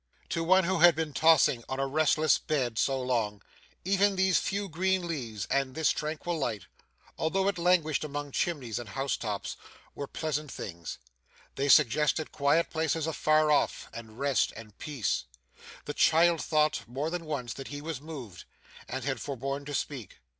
To one who had been tossing on a restless bed so long, even these few green leaves and this tranquil light, although it languished among chimneys and house tops, were pleasant things. They suggested quiet places afar off, and rest, and peace. The child thought, more than once that he was moved: and had forborne to speak.